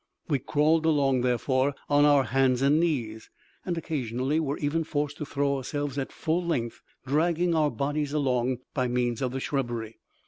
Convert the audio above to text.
We crawled along, therefore, on our hands and knees, and, occasionally, were even forced to throw ourselves at full length, dragging our bodies along by means of the shrubbery.